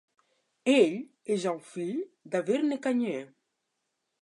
Ell és el fill de Verne Gagne.